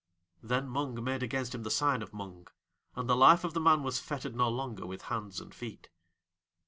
Then Mung made against him the sign of Mung and the Life of the Man was fettered no longer with hands and feet.